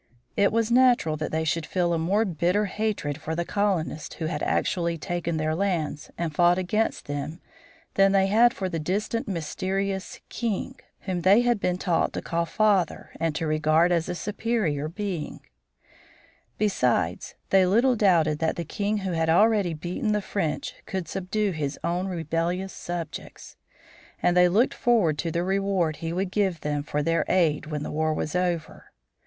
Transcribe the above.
It was natural that they should feel a more bitter hatred for the colonists who had actually taken their lands and fought against them, than they had for the distant mysterious "king," whom they had been taught to call "father," and to regard as a superior being. Besides, they little doubted that the king who had already beaten the French could subdue his own rebellious subjects. And they looked forward to the reward he would give them for their aid when the war was over.